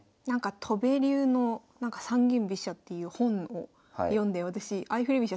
戸辺流の三間飛車っていう本を読んで私相振り飛車